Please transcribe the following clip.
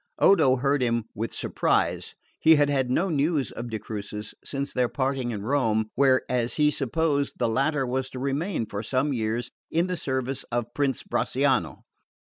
Odo heard him with surprise. He had had no news of de Crucis since their parting in Rome, where, as he supposed, the latter was to remain for some years in the service of Prince Bracciano.